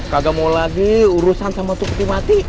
kagak mau lagi urusan sama tuki mati